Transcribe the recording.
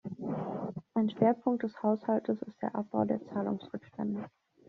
Ein Schwerpunkt des Haushaltes ist der Abbau der Zahlungsrückstände.